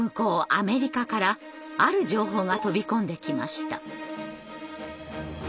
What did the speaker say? アメリカからある情報が飛び込んできました。